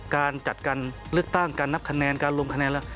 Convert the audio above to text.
การจัดการเลือกตั้งการนับคะแนนการลงคะแนนแล้ว